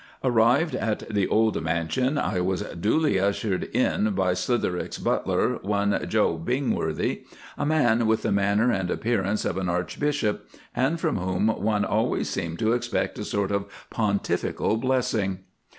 Arrived at the old mansion, I was duly ushered in by Slitherwick's butler, one Joe Bingworthy, a man with the manner and appearance of an archbishop, and from whom one always seemed to expect a sort of pontifical blessing.